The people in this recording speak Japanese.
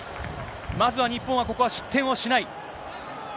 まずは日本は、ここは失点をしない。